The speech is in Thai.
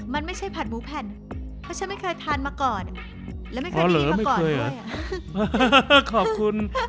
มันไม่ใช่ผัดหมูแผ่นเพราะฉันไม่เคยทานมาก่อนและไม่เคยทีมาก่อนด้วย